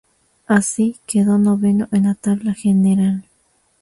Así, quedó noveno en la tabla general.